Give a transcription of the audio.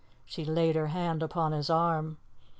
She laid her hand upon his arm.